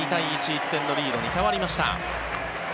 １点のリードに変わりました。